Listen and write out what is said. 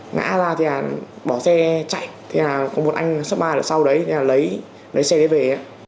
ngã ra thì bỏ xe chạy có một anh xếp ba sau đấy lấy xe đấy về